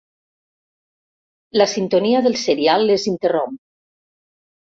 La sintonia del serial les interromp.